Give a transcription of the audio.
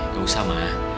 gak usah ma